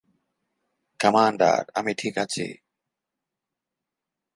Commander, আমি ঠিক আছি।